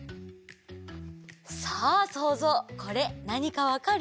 さあそうぞうこれなにかわかる？